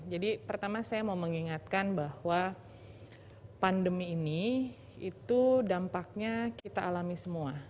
jadi pertama saya mau mengingatkan bahwa pandemi ini itu dampaknya kita alami semua